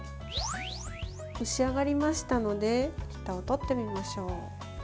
蒸し上がりましたのでふたを取ってみましょう。